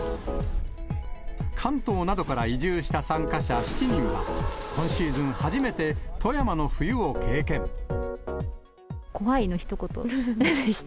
関東などから移住した参加者７人は、今シーズン初めて、富山の冬怖いのひと言でした。